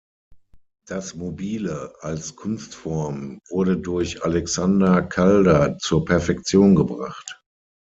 Das Mobile als Kunstform wurde durch Alexander Calder zur Perfektion gebracht.